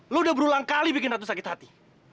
lo udah berulang kali bikin ratu sakit hati